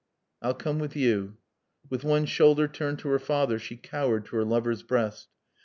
"I'll come with you." With one shoulder turned to her father, she cowered to her lover's breast.